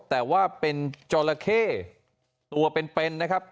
แต่ว่าเป็นจราเข้ตัวเป็นนะครับ